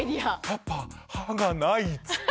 「パパ歯がない」っつって。